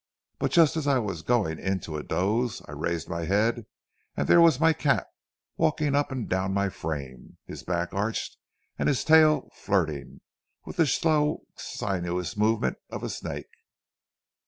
But just as I was going into a doze, I raised up my head, and there was my cat walking up and down my frame, his back arched and his tail flirting with the slow sinuous movement of a snake.